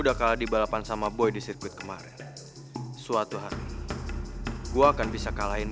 udah kcal dibalapan sama boy di sirkuit kemarin suatu hari gua kan bisa kalahin